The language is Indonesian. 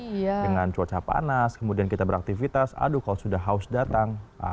dengan cuaca panas kemudian kita beraktivitas aduh kalau sudah haus datang